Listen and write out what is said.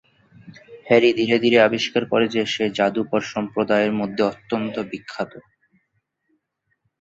Harry ধীরে ধীরে আবিষ্কার করে যে, সে জাদুকর সম্প্রদায়ের মধ্যে অত্যন্ত বিখ্যাত।